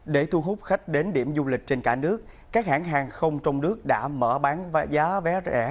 để thu hút khách đến điểm du lịch trên cả nước các hãng hàng không trong nước đã mở bán giá vé rẻ